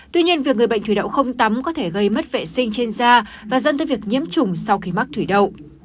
tuy nhiên việc người bệnh thủy đậu không tắm có thể gây mất vệ sinh trên da và dẫn tới việc nhiễm chủng sau khi mắc thủy đậu